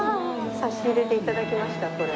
差し入れでいただきましたこれ。